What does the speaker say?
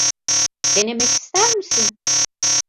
Denemek ister misin?